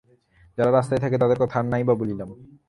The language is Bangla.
যারা রাস্তায় থাকে, তাদের কথা আর না ই বা বললাম।